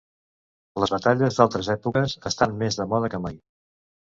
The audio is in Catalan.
Les batalles d’altres èpoques estan més de moda que mai.